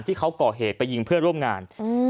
ที่เขาก่อเหตุไปยิงเพื่อนร่วมงาน